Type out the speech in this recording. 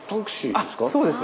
そうです。